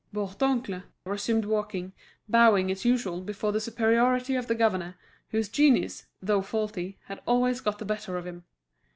Bourdoncle resumed walking, bowing as usual before the superiority of the governor, whose genius, though faulty, had always got the better of him.